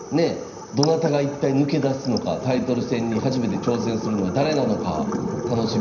どなたが一体抜け出すのかタイトル戦に初めて挑戦するのは誰なのか楽しみにしたいと思います。